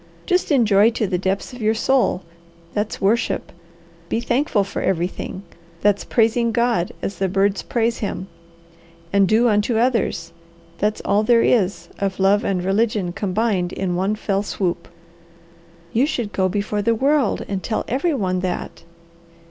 Just enjoy to the depths of your soul that's worship. Be thankful for everything that's praising God as the birds praise him. And 'do unto others' that's all there is of love and religion combined in one fell swoop." "You should go before the world and tell every one that!"